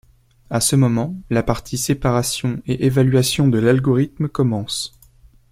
À ce moment, la partie séparation et évaluation de l'algorithme commence.